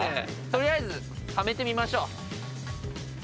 取りあえずはめてみましょう。